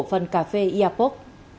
phần cà phê iapoc